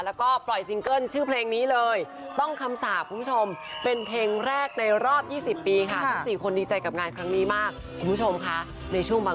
แล้วก็ปล่อยซิงเกิ้ลชื่อเพลงนี้เลยต้องคำสาบคุณผู้ชม